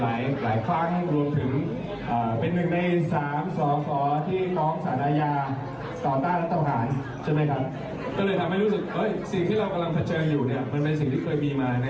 และเป็นสิ่งที่เคยมีมาในอดิม